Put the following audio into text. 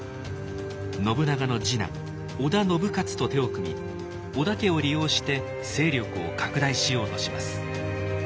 信長の次男織田信雄と手を組み織田家を利用して勢力を拡大しようとします。